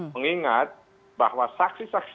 mengingat bahwa saksi saksi